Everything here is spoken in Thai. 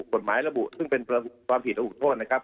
กฎหมายระบุซึ่งเป็นความผิดระหูโทษนะครับ